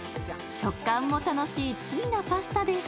食感も楽しい罪なパスタです。